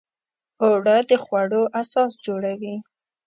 اوړه د خوړو اساس جوړوي